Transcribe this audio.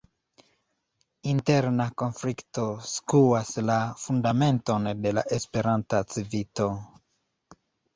Interna konflikto skuas la fundamenton de la Esperanta Civito.